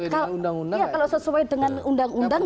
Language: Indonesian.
kalau sesuai dengan undang undang